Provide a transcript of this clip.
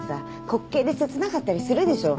滑稽で切なかったりするでしょ。